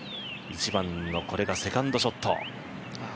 １番の、これがセカンドショット。